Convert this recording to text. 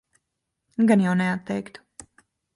Gan jau neatteiktu.